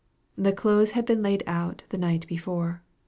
The clothes had been laid out the night before.